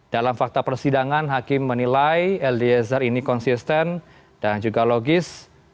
dalam fakta persidangan hakim menilai eliezer ini konsisten dan juga logis